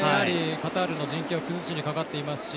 カタールの陣形を崩しにかかっていますし